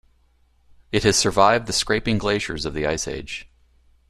It has survived the scraping glaciers of the ice age.